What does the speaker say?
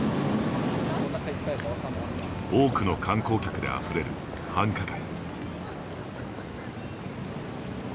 多くの観光客であふれる繁華街。